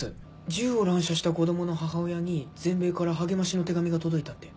銃を乱射した子供の母親に全米から励ましの手紙が届いたって。